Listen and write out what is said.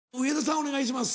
お願いします。